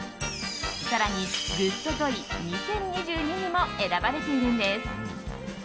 更にグッド・トイ２０２２にも選ばれているんです。